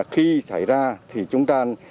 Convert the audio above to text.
khi xảy ra thì chúng ta